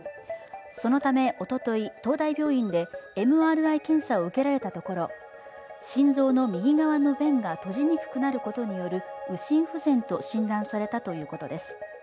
そのため、おととい東大病院でＭＲＩ検査を受けられたところ心臓の右側の弁が閉じにくくなることによる右心不全と診断されたということです。